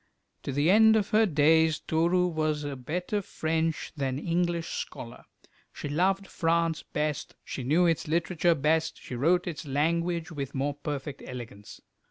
To the end of her days Toru was a better French than English scholar. She loved France best, she knew its literature best, she wrote its language with more perfect elegance.